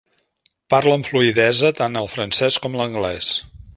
Parla amb fluïdesa tant el francès com l'anglès.